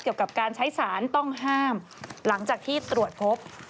เกี่ยวกับการใช้สารต้องห้ามหลังจากที่ตรวจพบ